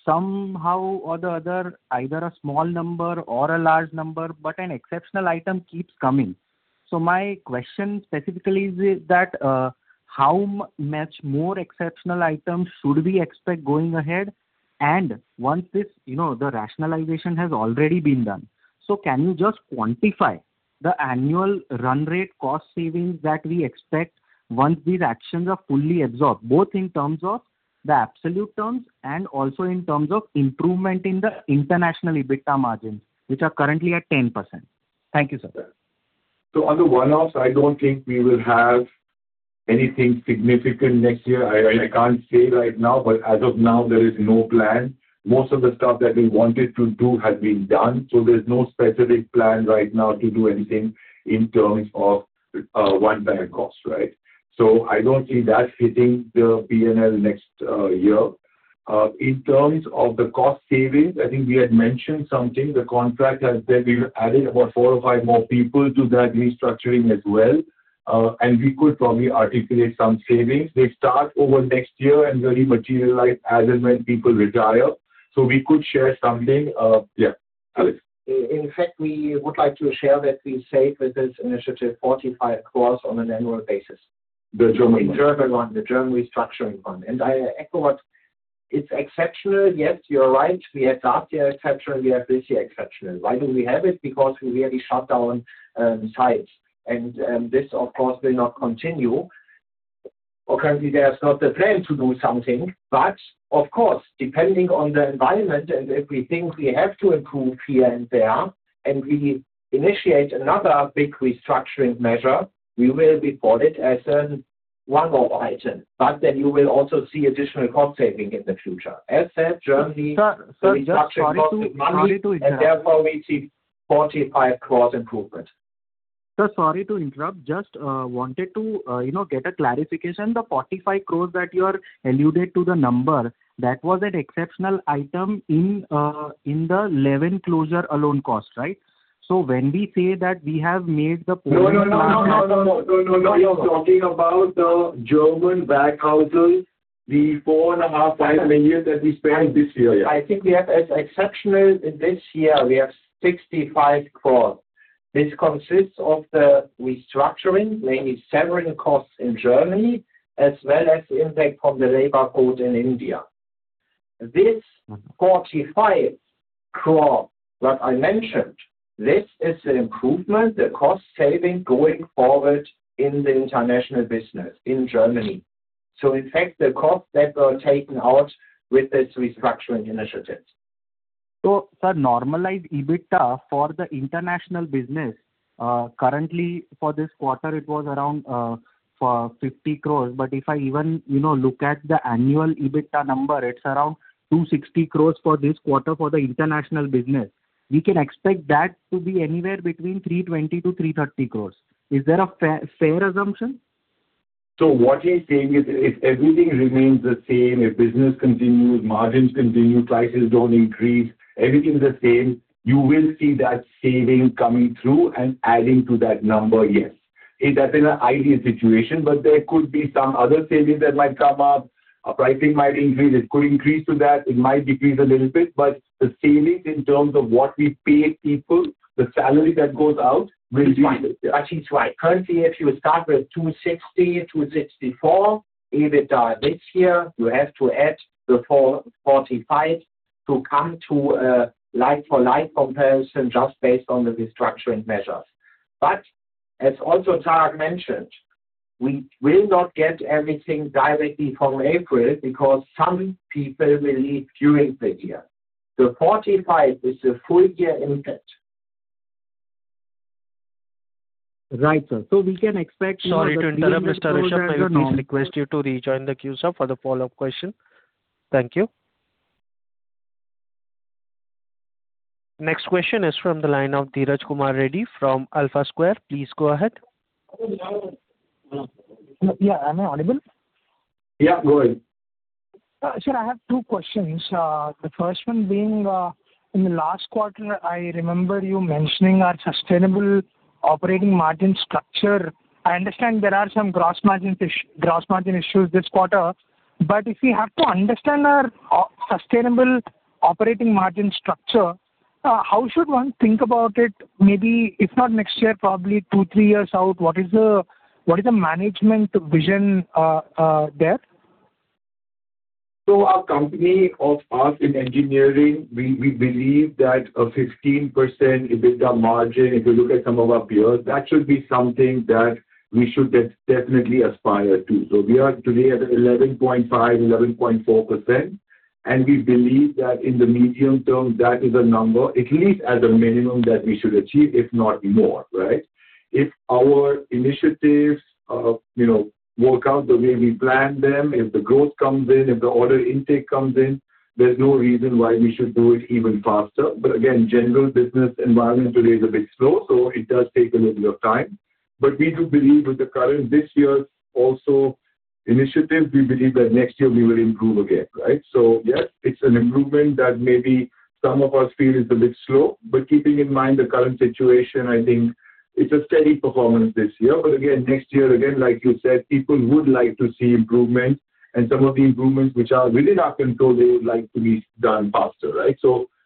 somehow, or the other, either a small number, or a large number, but an exceptional item keeps coming. My question specifically is that, how much more exceptional items should we expect going ahead? Once this, the rationalization has already been done. Can you just quantify the annual run rate cost savings that we expect once these actions are fully absorbed, both in terms of the absolute terms, and also in terms of improvement in the international EBITDA margins, which are currently at 10%? Thank you, sir. On the one-offs, I don't think we will have anything significant next year. Right. I can't say right now. As of now, there is no plan. Most of the stuff that we wanted to do has been done. There's no specific plan right now to do anything in terms of one-time costs, right? I don't see that hitting the P&L next year. In terms of the cost savings, I think we had mentioned something. The contract has said we've added about four, or five more people to that restructuring as well. We could probably articulate some savings. They start over next year, and really materialize as, and when people retire. We could share something. Yeah, Alex. In fact, we would like to share that we saved with this initiative 45 crores on an annual basis. The German one. The German one, the German restructuring one. I echo what. It's exceptional. Yes, you're right. We had last year exceptional, we have this year exceptional. Why do we have it? Because we really shut down sites. This, of course, will not continue, or currently, there's not a plan to do something. Of course, depending on the environment, and if we think we have to improve here and there, and we initiate another big restructuring measure, we will report it as a one-off item. You will also see additional cost saving in the future. As said, Germany. Sir, sorry, just sorry to interrupt. Restructuring cost monthly, and therefore we see 45 crores improvement. Sir, sorry to interrupt. Just wanted to get a clarification. The 45 crores that you are alluded to the number, that was an exceptional item in the Leven closure alone cost, right? When we say that we have made the Poland plant- No, no, no. He is talking about the German Waghäusel, the 4.5 million, 5 million that we spent this year, yeah. I think we have as exceptional in this year, we have 65 crores. This consists of the restructuring, mainly severance costs in Germany, as well as the impact from the Labour Codes in India. This 45 crore that I mentioned, this is the improvement, the cost saving going forward in the international business in Germany, in fact, the costs that were taken out with this restructuring initiative. Sir, normalized EBITDA for the international business, currently for this quarter, it was around 50 crores. If I even look at the annual EBITDA number, it's around 260 crores for this quarter for the international business. We can expect that to be anywhere between 320 crores-330 crores. Is that a fair assumption? What he's saying is, if everything remains the same, if business continues, margins continue, prices don't increase, everything's the same, you will see that saving coming through, and adding to that number, yes. That's in an ideal situation, but there could be some other savings that might come up. Pricing might increase. It could increase to that. It might decrease a little bit. But the savings in terms of what we pay people, the salary that goes out. Reduce. Actually, it's right. Currently, if you start with 260, 264 EBITDA this year, you have to add the 45 to come to a like-for-like comparison just based on the restructuring measures. As also Tarak mentioned, we will not get everything directly from April because some people will leave during the year. 45 is a full year impact. Right, sir. We can. Sorry to interrupt, Mr. Rushabh. I would please request you to rejoin the queue, sir, for the follow-up question. Thank you. Next question is from the line of Dheeraj Kumar Reddy from AlphaSqr. Please go ahead. Yeah, am I audible? Yeah, go ahead. Sir, I have two questions. The first one being, in the last quarter, I remember you mentioning our sustainable operating margin structure. I understand there are some gross margin issues this quarter, but if we have to understand our sustainable operating margin structure, how should one think about it? Maybe if not next year, probably two, three years out, what is the management vision there? Our company of us in engineering, we believe that a 15% EBITDA margin, if you look at some of our peers, that should be something that we should definitely aspire to. We are today at 11.5%, 11.4%, and we believe that in the medium term, that is a number, at least as a minimum, that we should achieve, if not more, right? If our initiatives work out the way we plan them, if the growth comes in, if the order intake comes in, there's no reason why we should do it even faster. Again, general business environment today is a bit slow, so it does take a little bit of time. We do believe with the current, this year's also initiative, we believe that next year we will improve again, right? Yes, it's an improvement that maybe some of us feel is a bit slow, but keeping in mind the current situation, I think it's a steady performance this year. Again, next year, again, like you said, people would like to see improvements, and some of the improvements which are within our control, they would like to be done faster, right?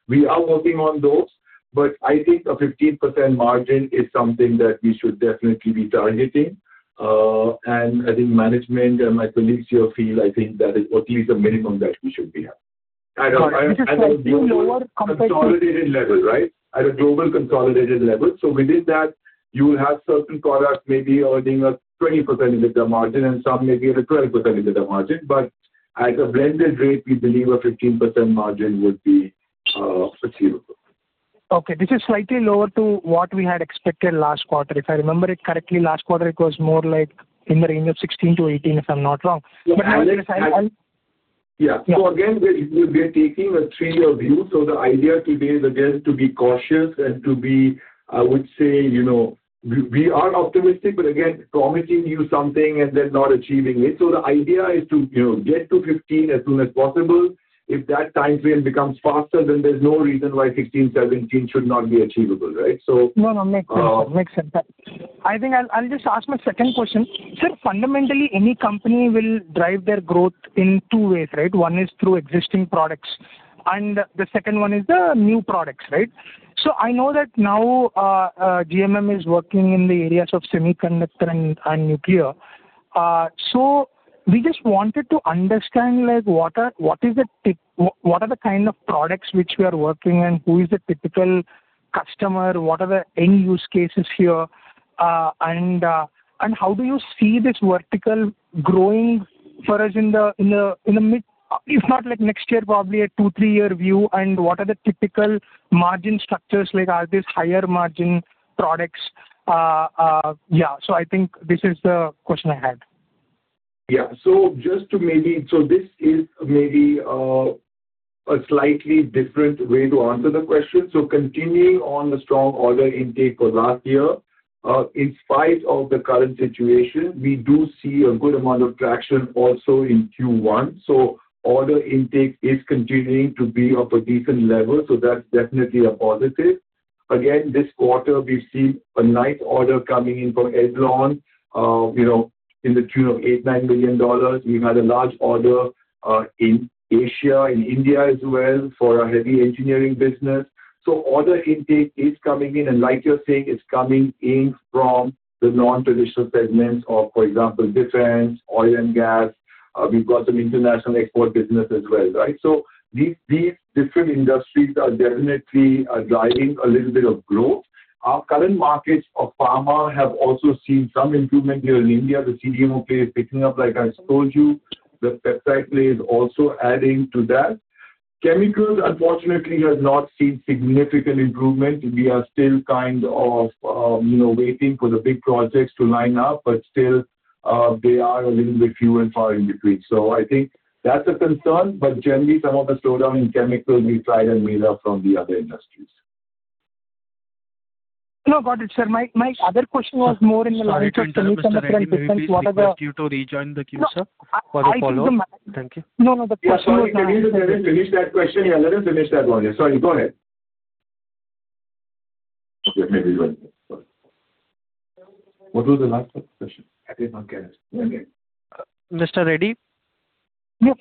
We are working on those, but I think a 15% margin is something that we should definitely be targeting. I think management, and my colleagues here feel, I think that is at least a minimum that we should be at. This is slightly lower compared to. Consolidated level, right? At a global consolidated level. Within that, you will have certain products maybe earning a 20% EBITDA margin, and some maybe at a 12% EBITDA margin. At a blended rate, we believe a 15% margin would be achievable. Okay, this is slightly lower to what we had expected last quarter. If I remember it correctly, last quarter it was more like in the range of 16%-18%, if I'm not wrong. Yeah. Again, we are taking a three-year view. The idea today is again to be cautious, and to be, I would say, you know, we are optimistic, but again, promising you something, and then not achieving it. The idea is to get to 15% as soon as possible. If that timeframe becomes faster, then there's no reason why 16%, 17% should not be achievable, right? No, makes sense, sir. I think I'll just ask my second question. Sir, fundamentally, any company will drive their growth in two ways, right? One is through existing products, and the second one is the new products, right? I know that now GMM is working in the areas of semiconductor and nuclear. We just wanted to understand what are the kind of products which we are working on, who is the typical customer, what are the end use cases here, and how do you see this vertical growing for us in the mid, if not next year, probably a two, three-year view, and what are the typical margin structures? Like are these higher margin products? I think this is the question I had. This is maybe a slightly different way to answer the question. Continuing on the strong order intake for last year, in spite of the current situation, we do see a good amount of traction also in Q1. Order intake is continuing to be of a decent level, so that's definitely a positive. Again, this quarter, we've seen a nice order coming in from Edlon, in the tune of $8 million-$9 million. We've had a large order in Asia, in India as well for our heavy engineering business. Order intake is coming in, and like you're saying, it's coming in from the non-traditional segments of, for example, defense, oil, and gas. We've got some international export business as well, right. These different industries are definitely driving a little bit of growth. Our current markets of pharma have also seen some improvement here in India. The cGMP is picking up, like I told you. The peptide play is also adding to that. Chemicals, unfortunately, has not seen significant improvement. We are still kind of waiting for the big projects to line up, but still they are a little bit few, and far in between. I think that's a concern, generally, some of the slowdown in chemicals we tried, and made up from the other industries. No, got it, sir. My other question was more in the lines of semiconductor and business. Sorry to interrupt, Mr. Reddy. May we please request you to rejoin the queue, sir, for the follow-up? Thank you. No, the question was. Yeah, sorry. Can we just let him finish that question? Yeah, let him finish that one. Yeah, sorry. Go ahead. Okay, maybe. What was the last question? I did not get it. Mr. Reddy. Yes.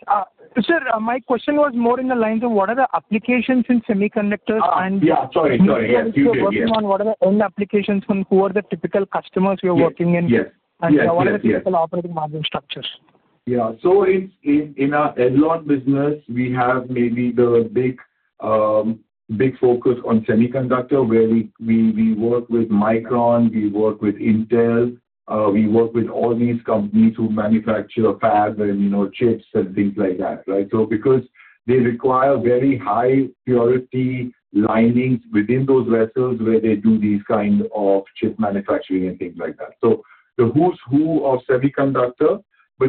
Sir, my question was more in the lines of what are the applications in semiconductors and? Yeah, Sorry, yes. You were working on what are the end applications, and who are the typical customers you're working in? Yes. What are the typical operating margin structures? In our Edlon business, we have maybe the big focus on semiconductor, where we work with Micron, we work with Intel, we work with all these companies who manufacture fabs, and chips, and things like that. Because they require very high purity linings within those vessels where they do these kind of chip manufacturing, and things like that. The who's who of semiconductor.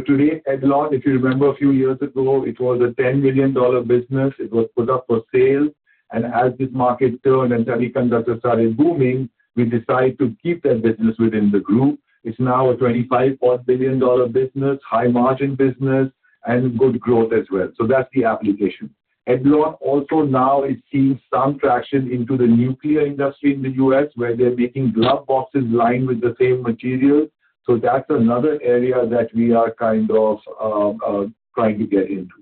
Today, Edlon, if you remember a few years ago, it was a $10 million business. It was put up for sale. As these markets turned, and semiconductor started booming, we decided to keep that business within the group. It's now a $25.4 billion business, high margin business, and good growth as well. That's the application. Edlon also now is seeing some traction into the nuclear industry in the U.S. where they're making glove boxes lined with the same materials. That's another area that we are kind of trying to get into.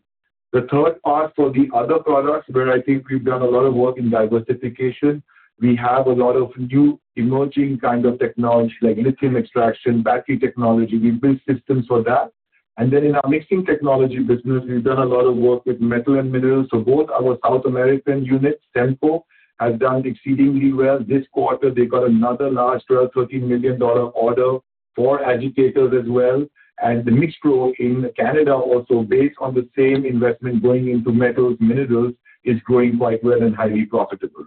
The third part for the other products, where I think we've done a lot of work in diversification, we have a lot of new emerging kind of technology like lithium extraction, battery technology. We build systems for that. In our mixing technology business, we've done a lot of work with metal and minerals. Both our South American units, SEMCO, has done exceedingly well. This quarter, they got another large $12, $13 million order for agitators as well. The MixPro in Canada also, based on the same investment going into metals, minerals, is growing quite well, and highly profitable.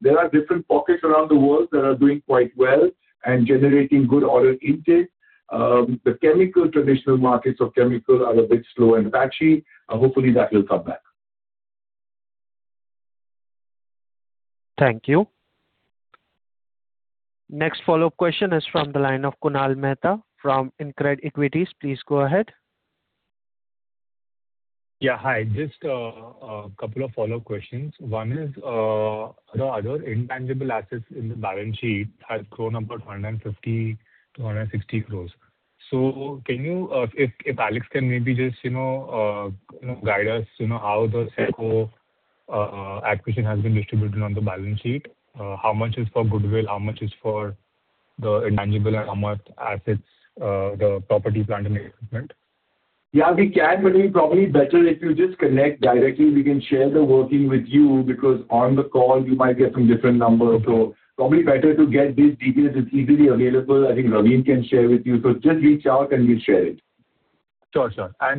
There are different pockets around the world that are doing quite well, and generating good order intake. The chemical, traditional markets of chemical are a bit slow, and patchy. Hopefully, that will come back. Thank you. Next follow-up question is from the line of Kunal Mehta from InCred Equities. Please go ahead. Yeah, hi. Just a couple of follow-up questions. One is, the other intangible assets in the balance sheet has grown about 150, 160 crores. If Alex can maybe just guide us, how the SEMCO acquisition has been distributed on the balance sheet. How much is for goodwill, how much is for the intangible, and how much assets, the property, plant, and equipment? Yeah, we can, but it's probably better if you just connect directly. We can share the working with you, because on the call you might get some different numbers. Probably better to get these details. It's easily available. I think Raveen can share with you. Just reach out, and we'll share it. Sure.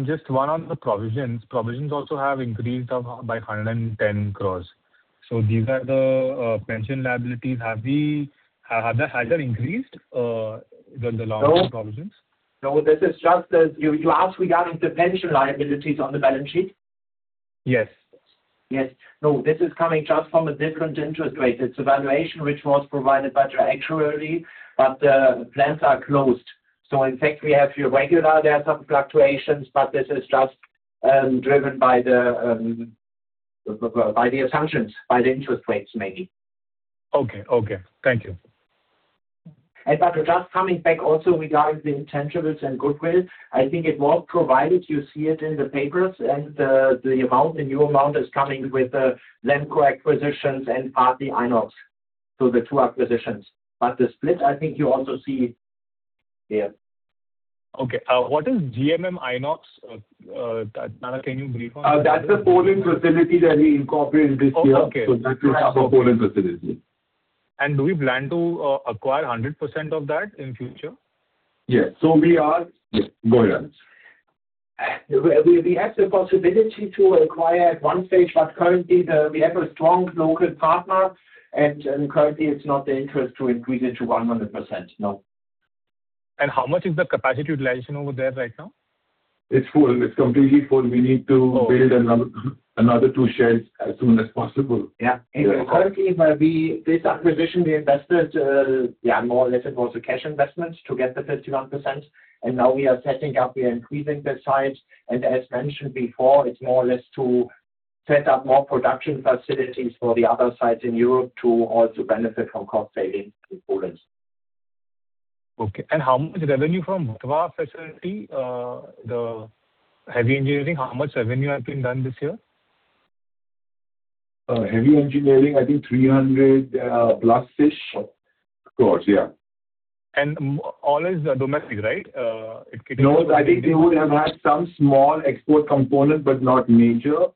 Just one on the provisions. Provisions also have increased by 110 crores. These are the pension liabilities. Has that increased, the long term provisions? No, you ask regarding the pension liabilities on the balance sheet? Yes. Yes. No, this is coming just from a different interest rate. It's a valuation which was provided by the actuary, but the plans are closed. In fact, we have your regular, there are some fluctuations, but this is just driven by the assumptions, by the interest rates, maybe. Okay, okay. Thank you. Just coming back also regarding the intangibles and goodwill, I think it was provided, you see it in the papers, the new amount is coming with the [SEMCO] acquisitions, and partly Inox. The two acquisitions. The split, I think you also see here. Okay. What is GMM Inox? Can you brief on that? That's a Poland facility that we incorporated this year. Okay. That we have a Poland facility. Do we plan to acquire 100% of that in future? Yes. Yes, go ahead, Alex. We had the possibility to acquire at one stage, but currently, we have a strong local partner, and currently it's not in their interest to increase it to 100%. No. How much is the capacity utilization over there right now? It's full. It's completely full. We need to build another two sheds as soon as possible. Yeah. Currently, this acquisition, we invested, more or less, it was a cash investment to get the 51%. Now we are setting up, we are increasing the size. As mentioned before, it's more, or less to set up more production facilities for the other sites in Europe to also benefit from cost savings in Poland. Okay. How much revenue from Vatva facility? The heavy engineering, how much revenue has been done this year? Heavy engineering, I think INR 300+ish crores. Yeah. All is domestic, right? I think they would have had some small export component, but not major.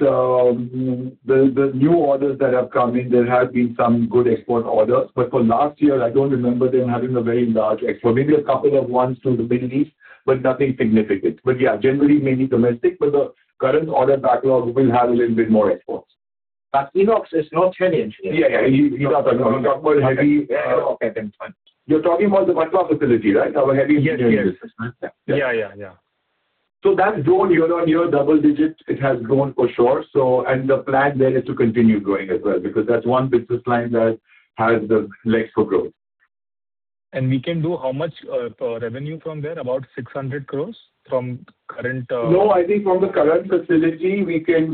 The new orders that have come in, there have been some good export orders. For last year, I don't remember them having a very large export. Maybe a couple of ones to the Middle East, but nothing significant. Yeah, generally maybe domestic, but the current order backlog will have a little bit more exports. Inox is not heavy engineering. Yeah. We're talking about heavy- Okay. You're talking about the Vatva facility, right? Our heavy engineering business. Yes. Yeah. Yeah. That's grown year-on-year, double digits, it has grown for sure. The plan there is to continue growing as well, because that's one business line that has the legs for growth. We can do how much revenue from there, about 600 crores? No, I think from the current facility, we could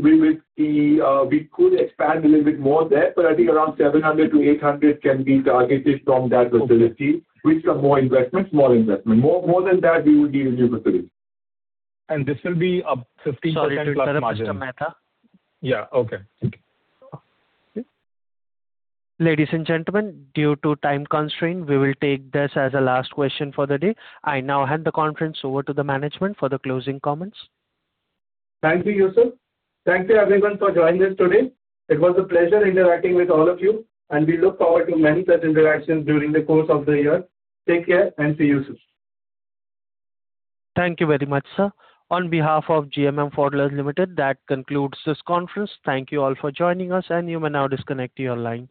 expand a little bit more there, but I think around 700 crores-800 crores can be targeted from that facility with some more investments, small investment. More than that, we would need a new facility. This will be a 15% plus margin? Sorry to interrupt, it's Mehta. Yeah. Okay. Thank you. Ladies and gentlemen, due to time constraint, we will take this as a last question for the day. I now hand the conference over to the management for the closing comments. Thank you, Yusuf. Thank you, everyone, for joining us today. It was a pleasure interacting with all of you, and we look forward to many such interactions during the course of the year. Take care, and see you soon. Thank you very much, sir. On behalf of GMM Pfaudler Limited, that concludes this conference. Thank you all for joining us, and you may now disconnect your lines.